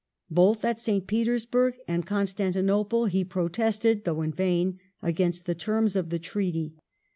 Both at St. Petersburg and Constantinople he protested, though in vain, ^ against the terms of the treaty.